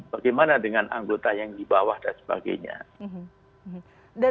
bagaimana dengan anggota yang di bawah dan sebagainya